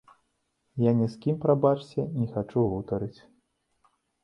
Я ні з кім, прабачце, не хачу гутарыць.